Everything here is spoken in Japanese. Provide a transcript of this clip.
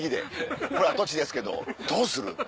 「跡地ですけどどうする？」